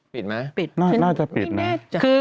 ปิดไหมปิดไหมไม่แน่จ้ะคือ